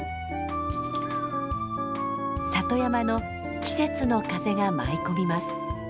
里山の季節の風が舞い込みます。